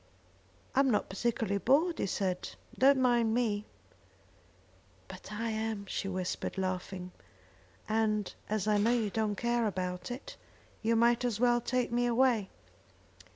"I'm not particularly bored," he said; "don't mind me." "But I am," she whispered, laughing, "and as I know you don't care about it, you might as well take me away."